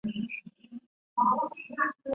强调探究过程而不是现成的知识。